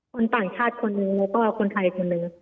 คนต่างชาติคนหนึ่งก็คือคนไทยคนหนึ่ง